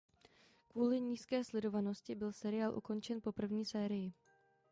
Kvůli nízké sledovanosti byl seriál ukončen po první sérii.